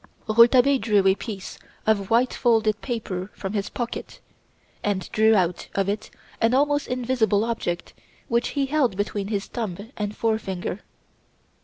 Rouletabille drew a piece of white folded paper from his pocket, and drew out of it an almost invisible object which he held between his thumb and forefinger.